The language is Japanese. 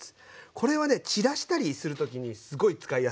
これはね散らしたりする時にすごい使いやすい。